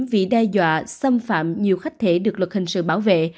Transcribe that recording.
nhiều hành vi đe dọa xâm phạm nhiều khách thể được luật hình sự bảo vệ